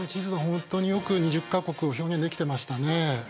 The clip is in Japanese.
本当によく２０か国を表現できてましたね。